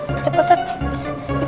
lihat pak ustadz